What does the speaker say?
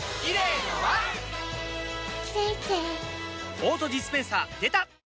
オートディスペンサーでた！